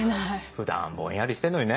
普段はぼんやりしてんのにね。